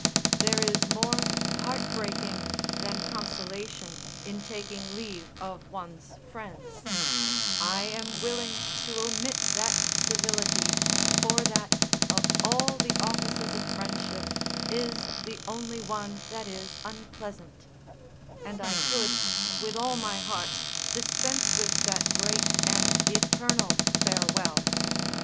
There is more heartbreaking than consolation in taking leave of one's friends; I am willing to omit that civility, for that, of all the offices of friendship, is the only one that is unpleasant; and I could, with all my heart, dispense with that great and eternal farewell.